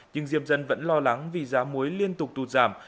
nhưng diêm dân vẫn lo lắng vì giá muối liên tục tụt giảm